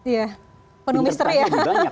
ya penuh misteri ya